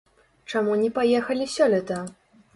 Чаму не паехалі сёлета?